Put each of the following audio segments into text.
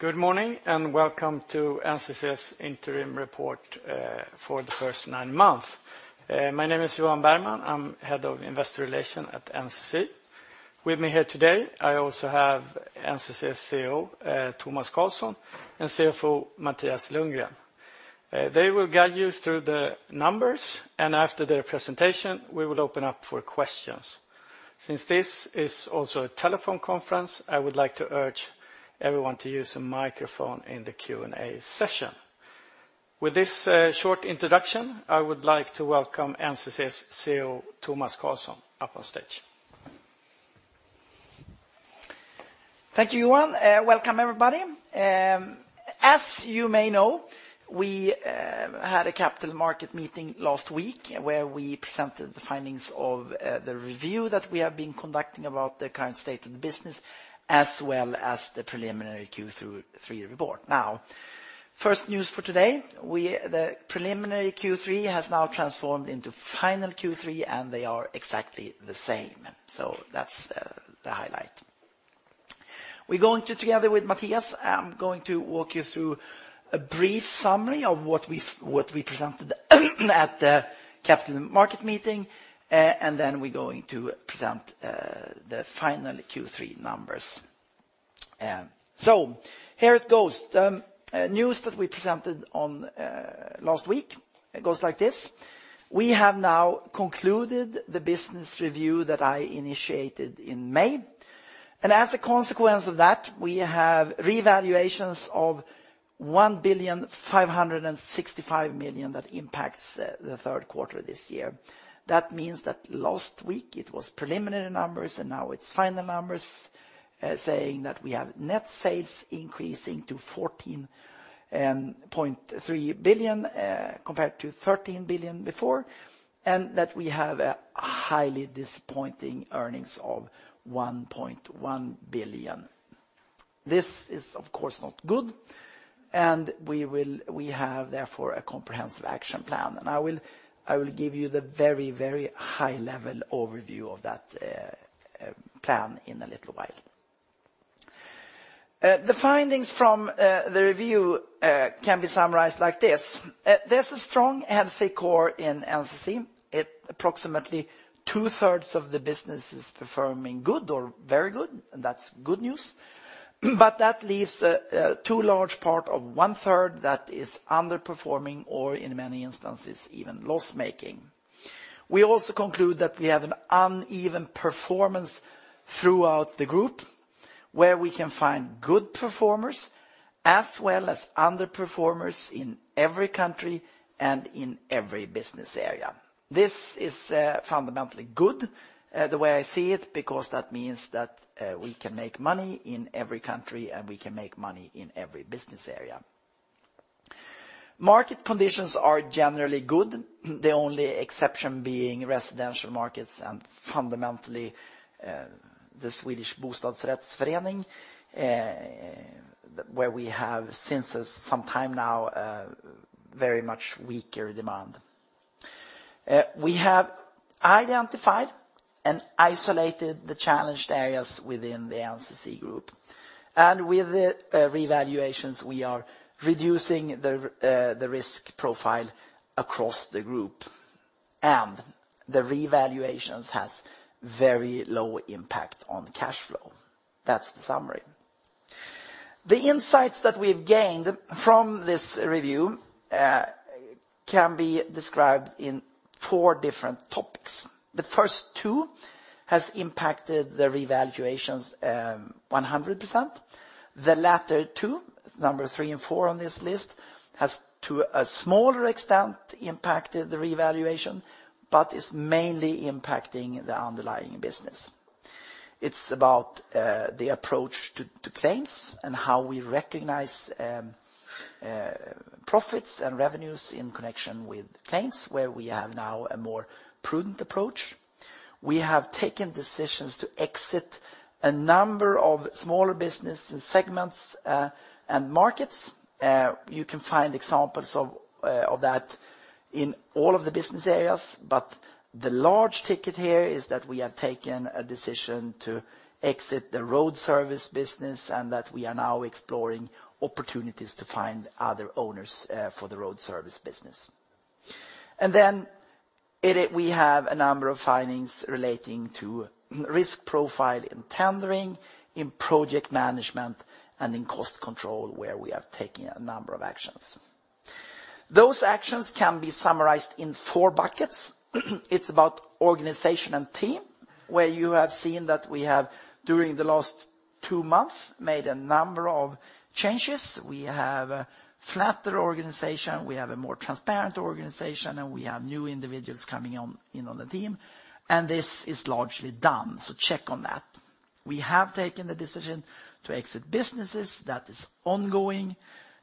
Good morning, and welcome to NCC's interim report for the first nine months. My name is Johan Bergman. I'm Head of Investor Relations at NCC. With me here today, I also have NCC's CEO, Tomas Carlsson, and CFO, Mattias Lundgren. They will guide you through the numbers, and after their presentation, we will open up for questions. Since this is also a telephone conference, I would like to urge everyone to use a microphone in the Q&A session. With this short introduction, I would like to welcome NCC's CEO, Tomas Carlsson, up on stage. Thank you, Johan. Welcome, everybody. As you may know, we had a capital market meeting last week, where we presented the findings of the review that we have been conducting about the current state of the business, as well as the preliminary Q3 report. Now, first news for today, the preliminary Q3 has now transformed into final Q3, and they are exactly the same. So that's the highlight. We're going to, together with Mattias, I'm going to walk you through a brief summary of what we presented at the capital market meeting, and then we're going to present the final Q3 numbers. So here it goes. News that we presented on last week, it goes like this: We have now concluded the business review that I initiated in May, and as a consequence of that, we have revaluations of 1,565 million that impacts the third quarter of this year. That means that last week it was preliminary numbers, and now it's final numbers, saying that we have net sales increasing to 14.3 billion compared to 13 billion before, and that we have a highly disappointing earnings of 1.1 billion. This is, of course, not good, and we have, therefore, a comprehensive action plan. And I will give you the very, very high-level overview of that plan in a little while. The findings from the review can be summarized like this: There's a strong, healthy core in NCC. It... Approximately two-thirds of the business is performing good or very good, and that's good news. But that leaves a too large part of one-third that is underperforming or, in many instances, even loss-making. We also conclude that we have an uneven performance throughout the group, where we can find good performers as well as underperformers in every country and in every business area. This is, fundamentally good, the way I see it, because that means that, we can make money in every country, and we can make money in every business area. Market conditions are generally good, the only exception being residential markets and fundamentally, the Swedish Bostadsrättsförening, where we have, since some time now, very much weaker demand. We have identified and isolated the challenged areas within the NCC group, and with the revaluations, we are reducing the risk profile across the group, and the revaluations has very low impact on cash flow. That's the summary. The insights that we've gained from this review can be described in four different topics. The first two has impacted the revaluations 100%. The latter two, number three and four on this list, has, to a smaller extent, impacted the revaluation, but it's mainly impacting the underlying business. It's about the approach to claims and how we recognize profits and revenues in connection with claims, where we have now a more prudent approach. We have taken decisions to exit a number of smaller business segments and markets. You can find examples of that in all of the business areas, but the large ticket here is that we have taken a decision to exit the road service business, and that we are now exploring opportunities to find other owners for the road service business. We have a number of findings relating to risk profile in tendering, in project management, and in cost control, where we have taken a number of actions. Those actions can be summarized in four buckets. It's about organization and team, where you have seen that we have, during the last two months, made a number of changes. We have a flatter organization, we have a more transparent organization, and we have new individuals coming in on the team, and this is largely done, so check on that. We have taken the decision to exit businesses. That is ongoing,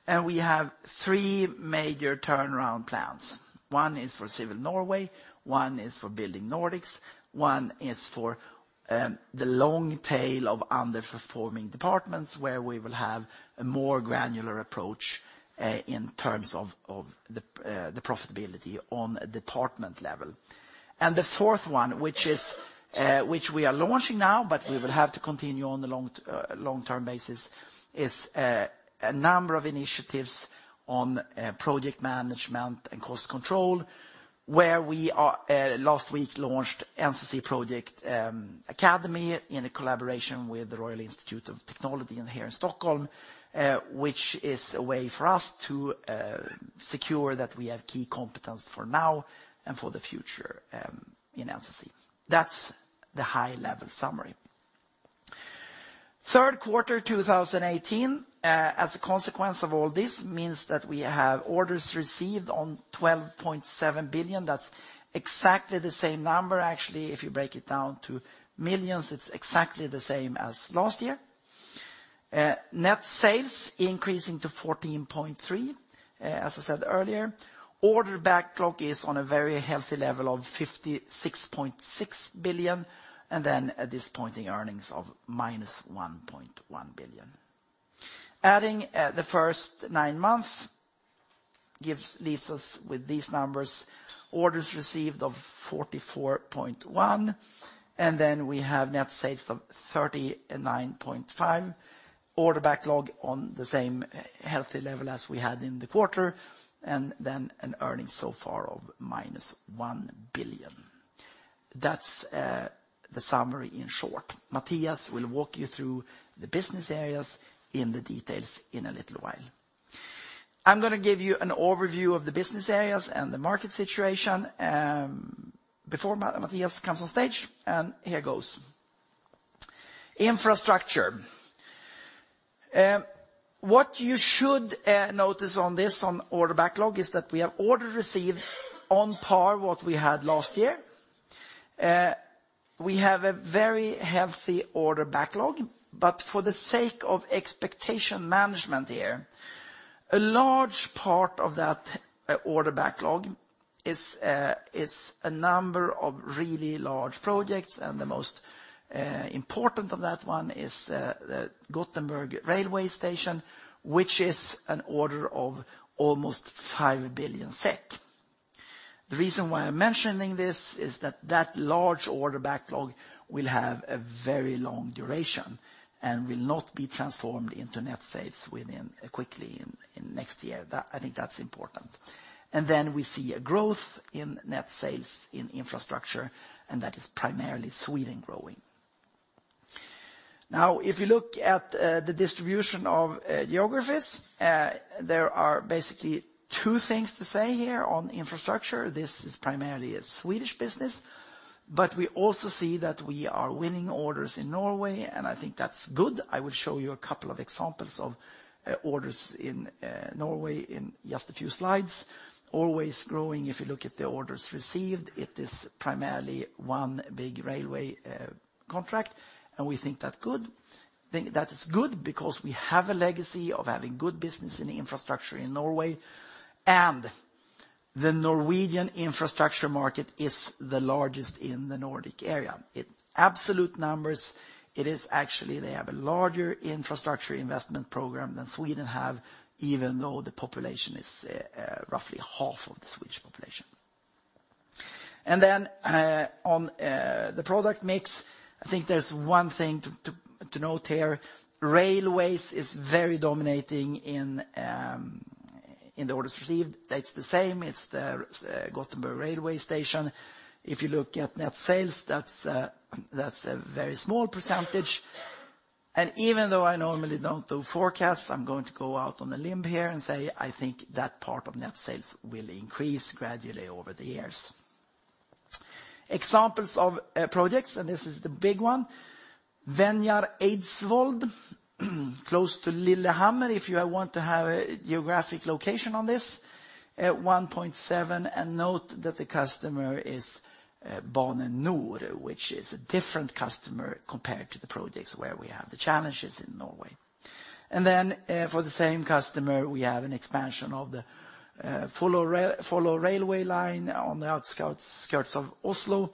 and we have three major turnaround plans. One is for Civil Norway, one is for Building Nordics, one is for the long tail of underperforming departments, where we will have a more granular approach in terms of the profitability on a department level. And the fourth one, which we are launching now, but we will have to continue on the long-term basis, is a number of initiatives on project management and cost control, where we last week launched NCC Project Academy in a collaboration with the Royal Institute of Technology in here in Stockholm. Which is a way for us to secure that we have key competence for now and for the future in NCC. That's the high-level summary. Third quarter 2018, as a consequence of all this, means that we have orders received on 12.7 billion. That's exactly the same number. Actually, if you break it down to millions, it's exactly the same as last year. Net sales increasing to 14.3 billion. As I said earlier, order backlog is on a very healthy level of 56.6 billion, and then disappointing earnings of -1.1 billion. Adding the first nine months leaves us with these numbers: orders received of 44.1 billion, and then we have net sales of 39.5 billion. Order backlog on the same healthy level as we had in the quarter, and then earnings so far of -1 billion. That's the summary in short. Mattias will walk you through the business areas in the details in a little while. I'm gonna give you an overview of the business areas and the market situation before Mattias comes on stage, and here goes. Infrastructure. What you should notice on this, on order backlog, is that we have order received on par what we had last year. We have a very healthy order backlog, but for the sake of expectation management here, a large part of that order backlog is a number of really large projects, and the most important of that one is the Gothenburg Railway Station, which is an order of almost 5 billion SEK. The reason why I'm mentioning this is that that large order backlog will have a very long duration and will not be transformed into net sales within quickly in next year. That, I think that's important. And then we see a growth in net sales in infrastructure, and that is primarily Sweden growing. Now, if you look at the distribution of geographies, there are basically two things to say here on infrastructure. This is primarily a Swedish business, but we also see that we are winning orders in Norway, and I think that's good. I will show you a couple of examples of orders in Norway in just a few slides. Always growing, if you look at the orders received, it is primarily one big railway contract, and we think that good. think that is good because we have a legacy of having good business in the infrastructure in Norway, and the Norwegian infrastructure market is the largest in the Nordic area. In absolute numbers, it is actually, they have a larger infrastructure investment program than Sweden have, even though the population is roughly half of the Swedish population. And then, on, the product mix, I think there's one thing to note here. Railways is very dominating in the orders received. That's the same, it's the Gothenburg Railway Station. If you look at net sales, that's a very small percentage. And even though I normally don't do forecasts, I'm going to go out on a limb here and say, I think that part of net sales will increase gradually over the years. Examples of projects, and this is the big one, Venjar–Eidsvoll, close to Lillehammer, if you want to have a geographic location on this, 1.7, and note that the customer is Bane NOR, which is a different customer compared to the projects where we have the challenges in Norway. For the same customer, we have an expansion of the Follo Rail, Follo railway line on the outskirts of Oslo.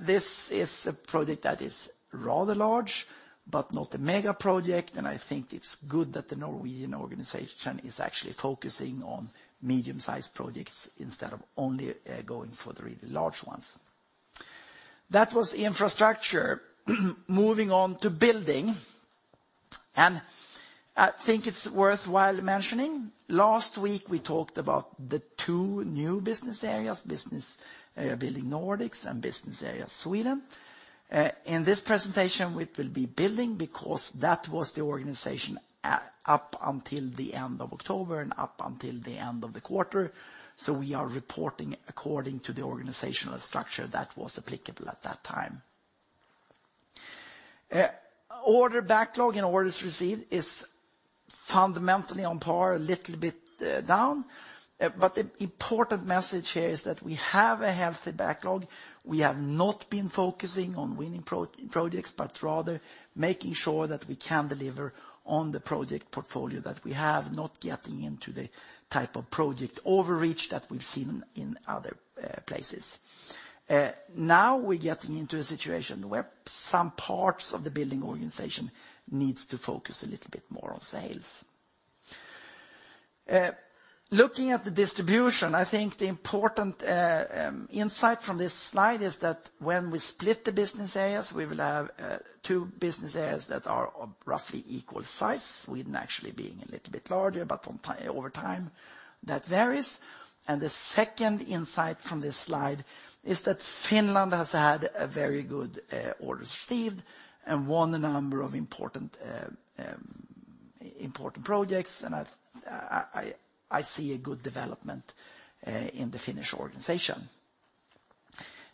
This is a project that is rather large, but not a mega project, and I think it's good that the Norwegian organization is actually focusing on medium-sized projects instead of only going for the really large ones. That was infrastructure. Moving on to building, and I think it's worthwhile mentioning, last week, we talked about the two new business areas, business area Building Nordics and business area Sweden. In this presentation, it will be building because that was the organization up until the end of October and up until the end of the quarter, so we are reporting according to the organizational structure that was applicable at that time. Order backlog and orders received is fundamentally on par, a little bit down, but the important message here is that we have a healthy backlog. We have not been focusing on winning projects, but rather making sure that we can deliver on the project portfolio that we have, not getting into the type of project overreach that we've seen in other places. Now we're getting into a situation where some parts of the building organization needs to focus a little bit more on sales. Looking at the distribution, I think the important insight from this slide is that when we split the business areas, we will have two business areas that are of roughly equal size, Sweden actually being a little bit larger, but over time, that varies. The second insight from this slide is that Finland has had very good orders received, and won a number of important projects, and I see a good development in the Finnish organization.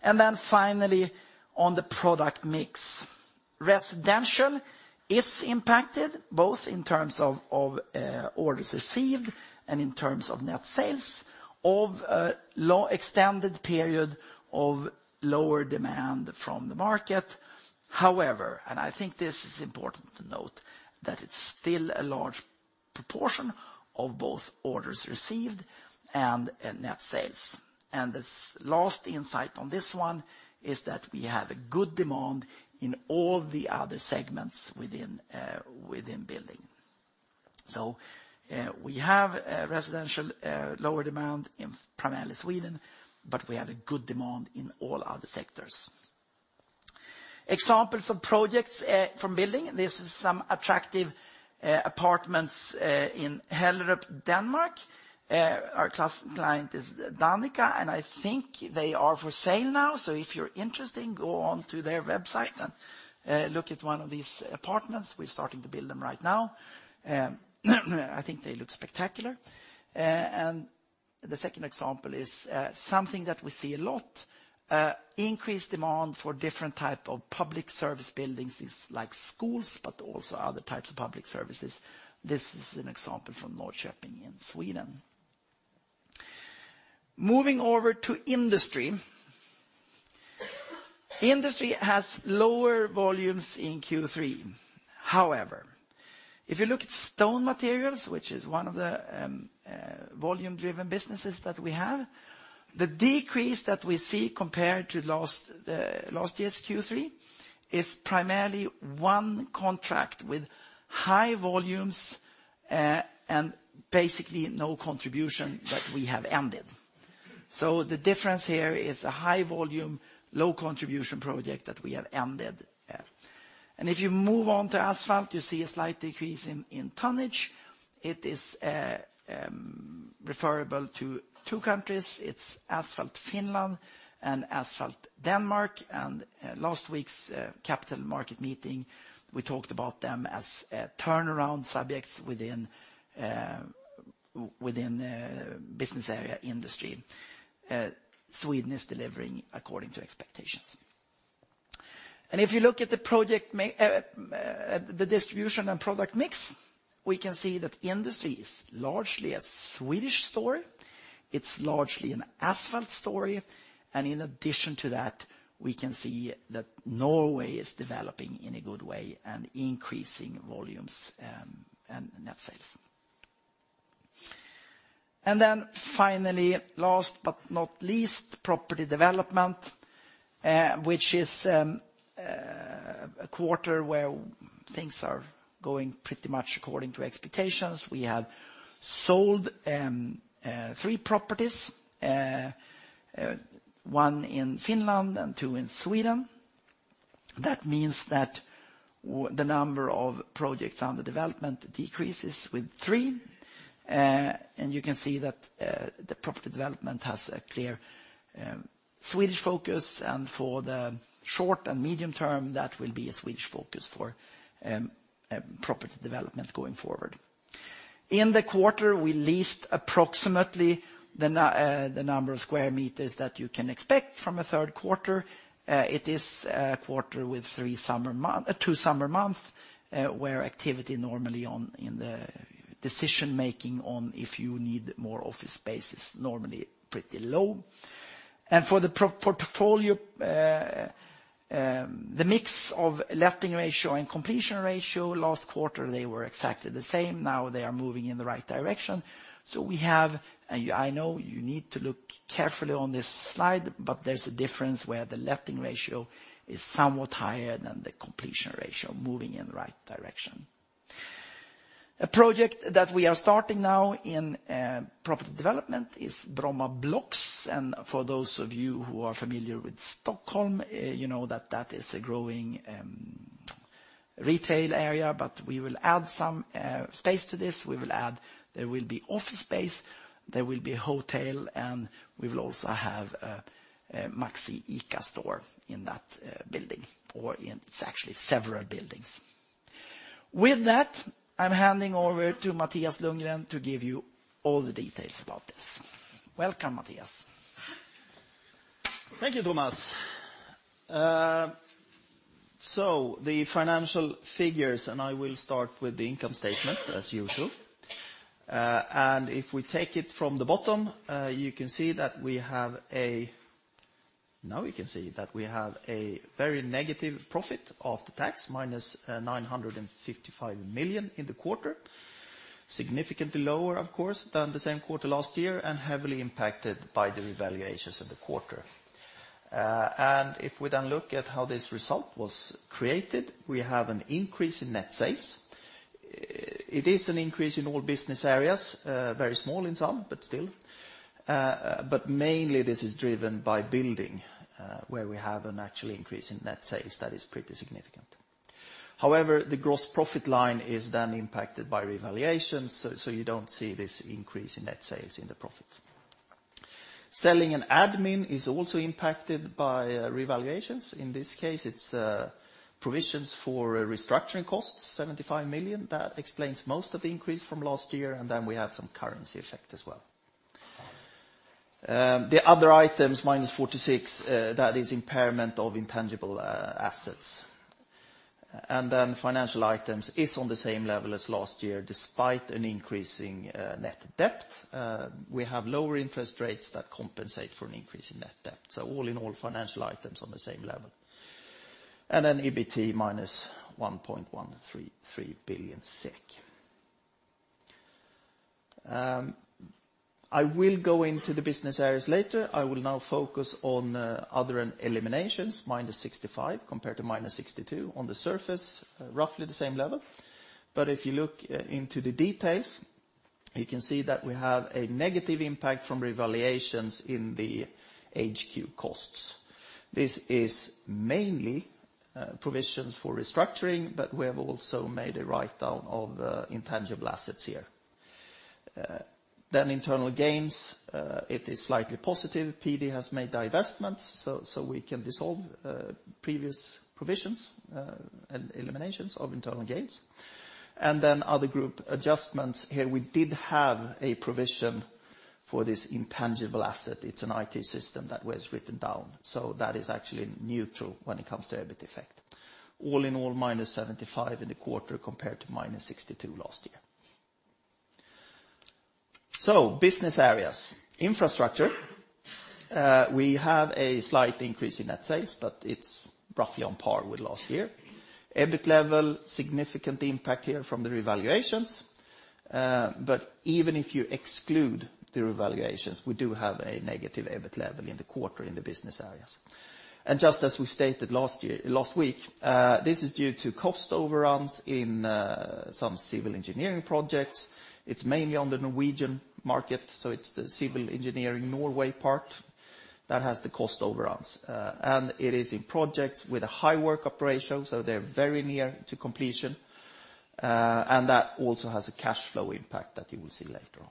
Then finally, on the product mix. Residential is impacted, both in terms of orders received and in terms of net sales, of a low extended period of lower demand from the market. However, I think this is important to note, that it's still a large proportion of both orders received and net sales. And the last insight on this one is that we have a good demand in all the other segments within building. So we have a residential lower demand in primarily Sweden, but we have a good demand in all other sectors. Examples of projects from building, this is some attractive apartments in Hellerup, Denmark. Our client is Danica, and I think they are for sale now. So if you're interested, go onto their website and look at one of these apartments. We're starting to build them right now. I think they look spectacular. And the second example is something that we see a lot, increased demand for different type of public service buildings is like schools, but also other types of public services. This is an example from Norrköping in Sweden. Moving over to industry. Industry has lower volumes in Q3. However, if you look at stone materials, which is one of the volume-driven businesses that we have, the decrease that we see compared to last last year's Q3 is primarily one contract with high volumes and basically no contribution that we have ended. So the difference here is a high volume, low contribution project that we have ended. And if you move on to asphalt, you see a slight decrease in tonnage. It is referable to two countries. It's Asphalt Finland and Asphalt Denmark, and last week's capital market meeting, we talked about them as turnaround subjects within within business area Industry. Sweden is delivering according to expectations. If you look at the distribution and product mix, we can see that industry is largely a Swedish story. It's largely an asphalt story, and in addition to that, we can see that Norway is developing in a good way, and increasing volumes, and net sales. Then finally, last but not least, property development, which is a quarter where things are going pretty much according to expectations. We have sold three properties, one in Finland and two in Sweden. That means that the number of projects under development decreases with three. And you can see that the property development has a clear Swedish focus, and for the short and medium term, that will be a Swedish focus for property development going forward. In the quarter, we leased approximately the number of square meters that you can expect from a third quarter. It is a quarter with two summer months, where activity normally in the decision-making on if you need more office space is normally pretty low. For the portfolio, the mix of letting ratio and completion ratio, last quarter they were exactly the same, now they are moving in the right direction. We have, and I know you need to look carefully on this slide, but there's a difference where the letting ratio is somewhat higher than the completion ratio, moving in the right direction. A project that we are starting now in property development is Bromma Blocks, and for those of you who are familiar with Stockholm, you know that that is a growing retail area, but we will add some space to this. There will be office space, there will be a hotel, and we will also have a Maxi ICA store in that building, or in, it's actually several buildings. With that, I'm handing over to Mattias Lundgren to give you all the details about this. Welcome, Mattias. Thank you, Tomas. So, the financial figures, and I will start with the income statement as usual. And if we take it from the bottom, you can see that we have a very negative profit after tax, -955 million in the quarter, significantly lower, of course, than the same quarter last year, and heavily impacted by the revaluations in the quarter. And if we then look at how this result was created, we have an increase in net sales. It is an increase in all business areas, very small in some, but still. But mainly this is driven by building, where we have an actual increase in net sales that is pretty significant. However, the gross profit line is then impacted by revaluations, so you don't see this increase in net sales in the profits. Selling and admin is also impacted by revaluations. In this case, it's provisions for restructuring costs, 75 million. That explains most of the increase from last year, and we have some currency effect as well. The other items, minus 46 million, that is impairment of intangible assets. Financial items are on the same level as last year, despite an increasing net debt. We have lower interest rates that compensate for an increase in net debt. All in all, financial items are on the same level. EBT, minus 1.133 billion SEK. I will go into the business areas later. I will now focus on other and eliminations, minus 65 compared to minus 62. On the surface, roughly the same level. If you look into the details, you can see that we have a negative impact from revaluations in the HQ costs. This is mainly provisions for restructuring, but we have also made a write-down of intangible assets here. Internal gains, it is slightly positive. PD has made divestments, so we can dissolve previous provisions and eliminations of internal gains. Other group adjustments, we did have a provision for this intangible asset. It's an IT system that was written down, so that is actually neutral when it comes to EBIT effect. All in all, minus 75 in the quarter, compared to minus 62 last year. Business areas. Infrastructure, we have a slight increase in net sales, but it's roughly on par with last year. EBIT level, significant impact here from the revaluations. But even if you exclude the revaluations, we do have a negative EBIT level in the quarter in the business areas. And just as we stated last year, last week, this is due to cost overruns in some civil engineering projects. It's mainly on the Norwegian market, so it's the civil engineering Norway part that has the cost overruns. And it is in projects with a high work operation, so they're very near to completion. And that also has a cash flow impact that you will see later on.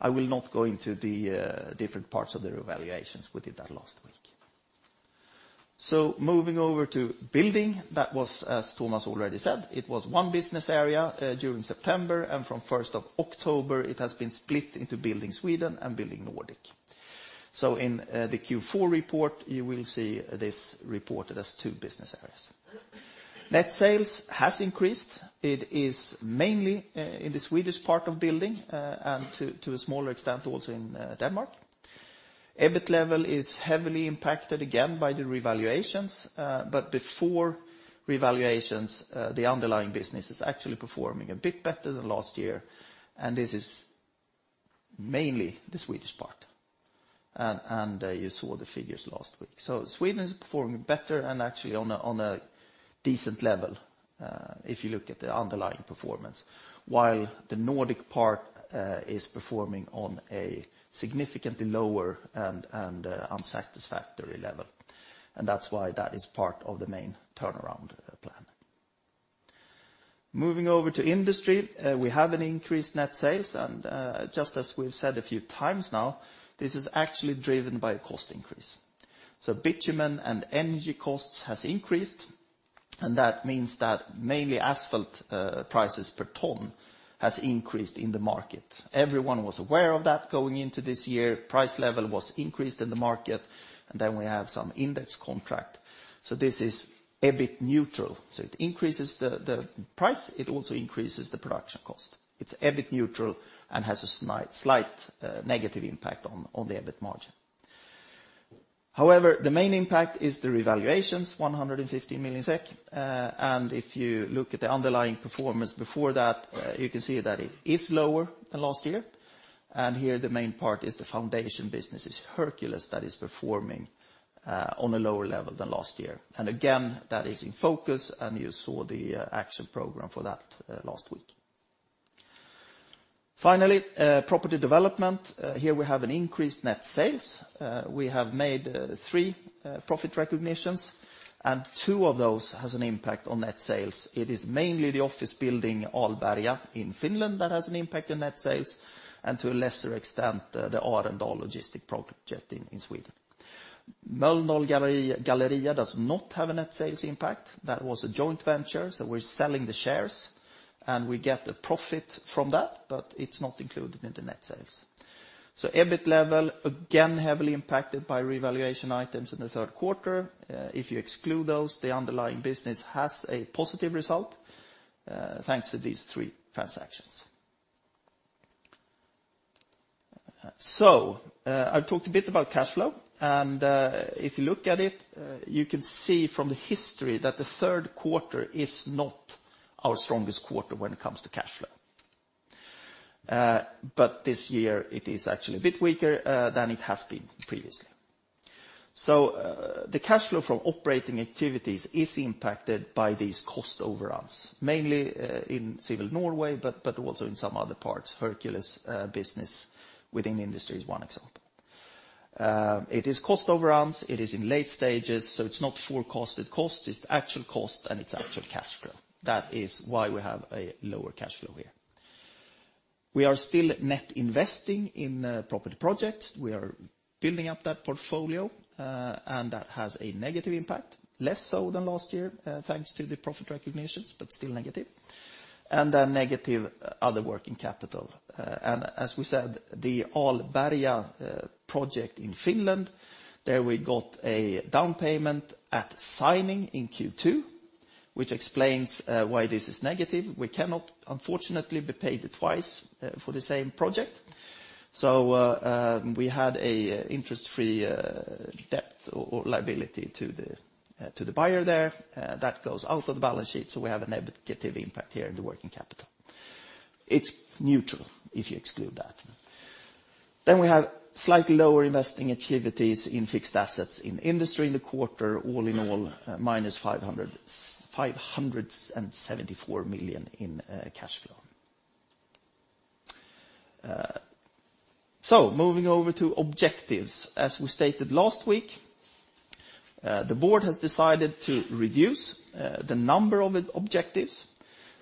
I will not go into the different parts of the revaluations. We did that last week. So moving over to building, that was, as Thomas already said, it was one business area, during September, and from first of October, it has been split into Building Sweden and Building Nordic. So in, the Q4 report, you will see this reported as two business areas. Net sales has increased. It is mainly, in the Swedish part of building, and to, to a smaller extent, also in, Denmark. EBIT level is heavily impacted, again, by the revaluations. But before revaluations, the underlying business is actually performing a bit better than last year, and this is mainly the Swedish part. And, and, you saw the figures last week. So Sweden is performing better and actually on a decent level, if you look at the underlying performance, while the Nordic part is performing on a significantly lower and unsatisfactory level. And that's why that is part of the main turnaround plan. Moving over to industry, we have an increased net sales, and just as we've said a few times now, this is actually driven by a cost increase. So bitumen and energy costs has increased, and that means that mainly asphalt prices per ton has increased in the market. Everyone was aware of that going into this year. Price level was increased in the market, and then we have some index contract. So this is a bit neutral. So it increases the price, it also increases the production cost. It's EBIT neutral and has a slight negative impact on the EBIT margin. However, the main impact is the revaluations, 150 million SEK. And if you look at the underlying performance before that, you can see that it is lower than last year. And here, the main part is the foundation business. It's Hercules that is performing on a lower level than last year. And again, that is in focus, and you saw the action program for that last week. Finally, property development. Here we have an increased net sales. We have made 3 profit recognitions, and two of those has an impact on net sales. It is mainly the office building, Alberga, in Finland that has an impact on net sales, and to a lesser extent, the Arendal logistic project in Sweden. Mölnlycke Galleria does not have a net sales impact. That was a joint venture, so we're selling the shares, and we get a profit from that, but it's not included in the net sales. So EBIT level, again, heavily impacted by revaluation items in the third quarter. If you exclude those, the underlying business has a positive result, thanks to these three transactions. So, I've talked a bit about cash flow, and, if you look at it, you can see from the history that the third quarter is not our strongest quarter when it comes to cash flow. But this year it is actually a bit weaker than it has been previously. So, the cash flow from operating activities is impacted by these cost overruns, mainly in civil Norway, but also in some other parts. Hercules business within industry is one example. It is cost overruns, it is in late stages, so it's not full cost. It costs, it's actual cost, and it's actual cash flow. That is why we have a lower cash flow here. We are still net investing in property projects. We are building up that portfolio, and that has a negative impact, less so than last year, thanks to the profit recognitions, but still negative, and then negative other working capital. And as we said, the Alberga project in Finland, there we got a down payment at signing in Q2, which explains why this is negative. We cannot, unfortunately, be paid twice for the same project. So, we had a interest-free debt or liability to the buyer there. That goes out of the balance sheet, so we have a negative impact here in the working capital. It's neutral if you exclude that. Then we have slightly lower investing activities in fixed assets in industry in the quarter. All in all, -574 million in cash flow. So moving over to objectives. As we stated last week, the board has decided to reduce the number of objectives,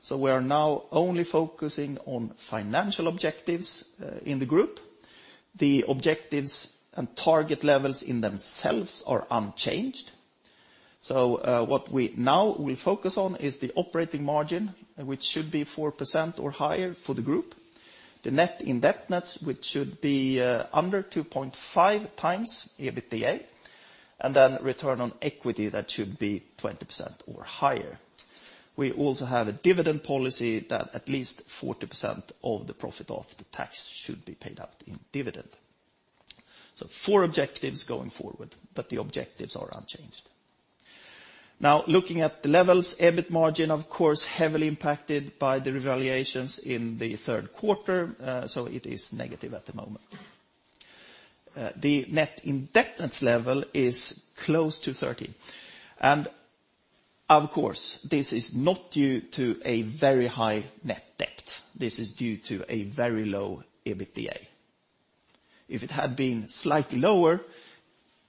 so we are now only focusing on financial objectives in the group. The objectives and target levels in themselves are unchanged. So, what we now will focus on is the operating margin, which should be 4% or higher for the group. The net indebtedness, which should be under 2.5 times EBITDA, and then return on equity, that should be 20% or higher. We also have a dividend policy that at least 40% of the profit of the tax should be paid out in dividend. So 4 objectives going forward, but the objectives are unchanged. Now, looking at the levels, EBIT margin, of course, heavily impacted by the revaluations in the third quarter, so it is negative at the moment. The net indebtedness level is close to 13. And, of course, this is not due to a very high net debt. This is due to a very low EBITDA. If it had been slightly lower,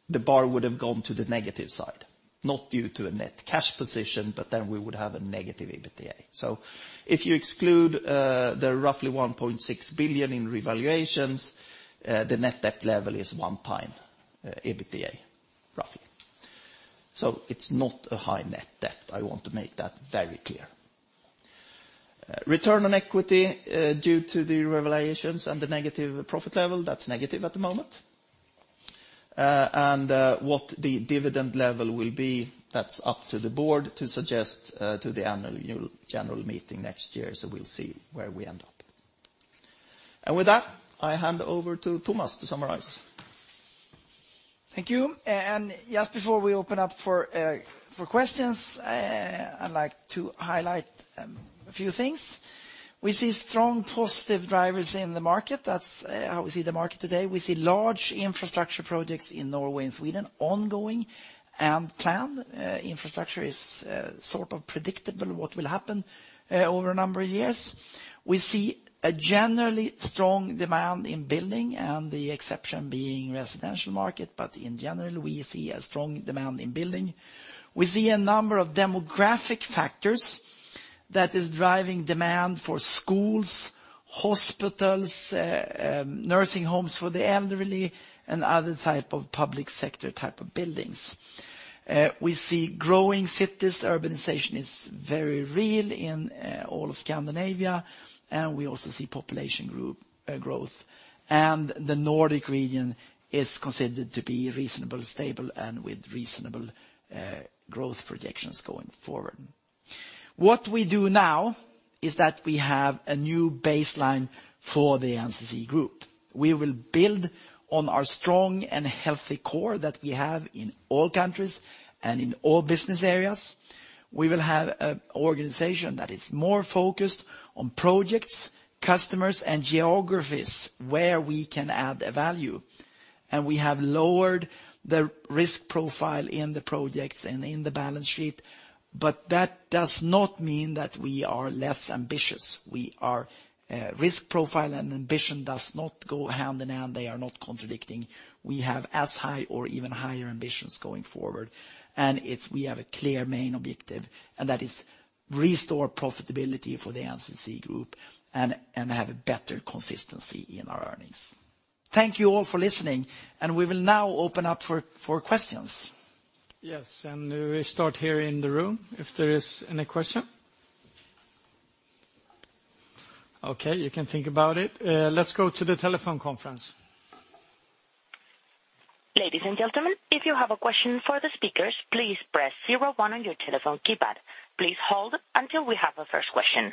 the bar would have gone to the negative side, not due to a net cash position, but then we would have a negative EBITDA. So if you exclude the roughly 1.6 billion in revaluations, the net debt level is 1x EBITDA, roughly. It's not a high net debt, I want to make that very clear. Return on equity, due to the revaluations and the negative profit level, that's negative at the moment. And what the dividend level will be, that's up to the board to suggest to the annual general meeting next year, so we'll see where we end up. With that, I hand over to Tomas to summarize. Thank you. And just before we open up for questions, I'd like to highlight a few things. We see strong positive drivers in the market. That's how we see the market today. We see large infrastructure projects in Norway and Sweden, ongoing and planned. Infrastructure is sort of predictable what will happen over a number of years. We see a generally strong demand in building, and the exception being residential market, but in general, we see a strong demand in building. We see a number of demographic factors that is driving demand for schools, hospitals, nursing homes for the elderly, and other type of public sector type of buildings. We see growing cities. Urbanization is very real in all of Scandinavia, and we also see population group growth. The Nordic region is considered to be reasonable, stable, and with reasonable growth projections going forward. What we do now is that we have a new baseline for the NCC group. We will build on our strong and healthy core that we have in all countries and in all business areas. We will have an organization that is more focused on projects, customers, and geographies where we can add value, and we have lowered the risk profile in the projects and in the balance sheet. But that does not mean that we are less ambitious. We are. Risk profile and ambition does not go hand in hand. They are not contradicting. We have as high or even higher ambitions going forward, and it's we have a clear main objective, and that is restore profitability for the NCC group and, and have a better consistency in our earnings. Thank you all for listening, and we will now open up for questions. Yes, and we start here in the room, if there is any question. Okay, you can think about it. Let's go to the telephone conference. Ladies and gentlemen, if you have a question for the speakers, please press zero one on your telephone keypad. Please hold until we have a first question.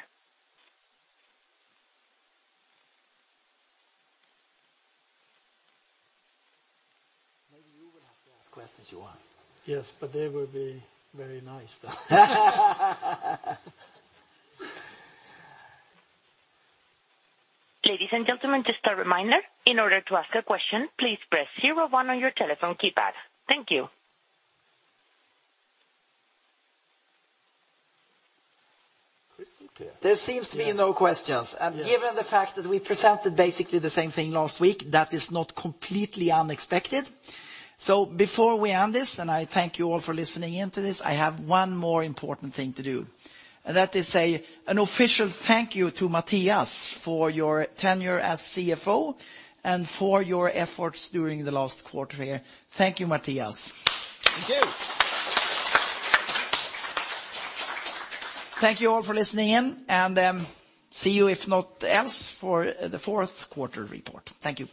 Maybe you will have to ask questions you want. Yes, but they will be very nice, though. Ladies and gentlemen, just a reminder, in order to ask a question, please press zero one on your telephone keypad. Thank you. Christian? There seems to be no questions. Yes. Given the fact that we presented basically the same thing last week, that is not completely unexpected. Before we end this, and I thank you all for listening in to this, I have one more important thing to do, and that is say an official thank you to Mattias for your tenure as CFO and for your efforts during the last quarter here. Thank you, Mattias. Thank you Thank you all for listening in, and, see you, if not else, for the fourth quarter report. Thank you.